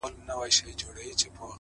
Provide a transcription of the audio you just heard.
o كه زړه يې يوسې و خپل كور ته گراني ؛